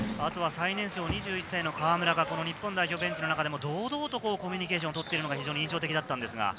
最年少２１歳、河村が日本代表ベンチの中でも堂々とコミュニケーションを取っているのが印象的でした。